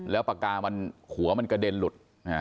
แล้วปากกามันหัวมันกระเด็นหลุด